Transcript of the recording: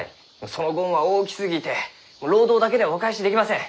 そのご恩は大きすぎて労働だけではお返しできません。